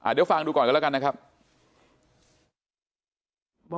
เดี๋ยวฟังดูก่อนกันแล้วกันนะครับ